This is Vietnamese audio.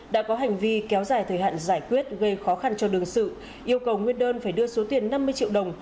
đã có hành vi kéo dài thời hạn giải quyết gây khó khăn cho đương sự yêu cầu nguyên đơn phải đưa số tiền năm mươi triệu đồng